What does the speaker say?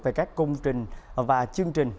về các công trình và chương trình